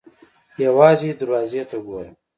_ يوازې دروازې ته ګوره!